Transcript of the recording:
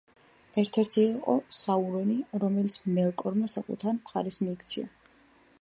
ერთ-ერთი იყო საურონი, რომელიც მელკორმა საკუთარ მხარეს მიიქცია.